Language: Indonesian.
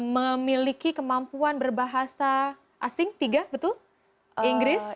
memiliki kemampuan berbahasa asing tiga betul inggris